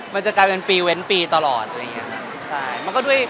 มันจะกลายเป็นปีเว้นปีตลอด